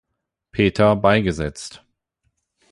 Peter beigesetzt.